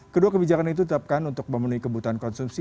kedua kebijakan itu tetapkan untuk memenuhi kebutuhan konsumsi